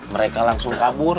mereka langsung kabur